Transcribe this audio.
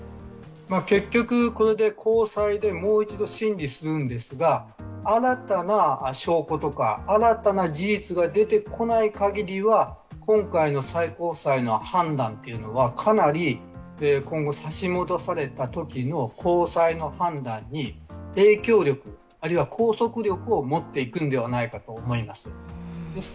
結局、これで高裁でもう一度審理するんですが、新たな証拠とか新たな事実が出てこないかぎりは今回の最高裁の判断というのはかなり今後、差し戻されたときの高裁の判断に影響力あるいは拘束力を持っていくんではないかと思います。